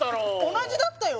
同じだったよ